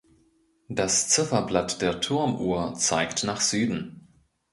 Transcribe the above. Das Zifferblatt der Turmuhr zeigt nach Süden.